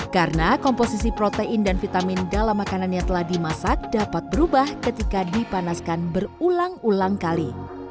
karena komposisi protein dan vitamin dalam makanan yang telah dimasak dapat berubah ketika dipanaskan berulang ulang kali